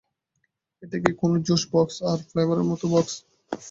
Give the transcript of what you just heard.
এটা কি কোনো জুস বক্স এর ফ্লেভারের মতো কিছু?